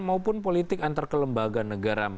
maupun politik antar kelembagaan negara